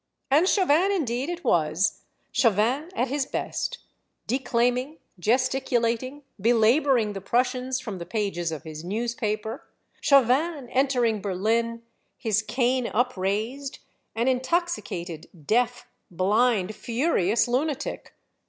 " And Chauvin indeed it was, Chauvin at his best, declaiming, gesticulating, belaboring the Prussians from the pages of his newspaper, Chauvin enter ing Berlin, his cane upraised, an intoxicated, deaf, blind, furious lunatic.